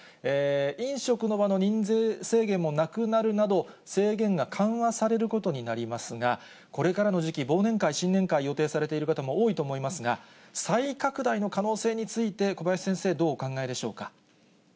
飲食の場の人数制限もなくなるなど、制限が緩和されることになりますが、これからの時期、忘年会、新年会、予定されている方も多いと思いますが、再拡大の可能性について、小林先生、どうお考えでしょうか。